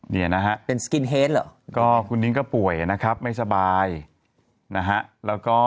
เนี่ยนะฮะเป็นสกินเฮดเหรอก็คุณนิ้งก็ป่วยนะครับไม่สบายนะฮะแล้วก็